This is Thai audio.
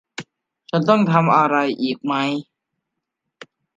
ฉันต้องทำอะไรอีกไหม